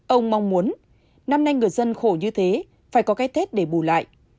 ông mong muốn năm nay người dân khổ như thế phải có cái tết để bù lại